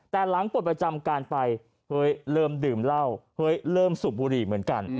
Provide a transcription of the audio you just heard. แต่หลังปลดประจำการไปเฮ้ยเริ่มดื่มเหล้าเฮ้ยเริ่มสูบบุหรี่เหมือนกัน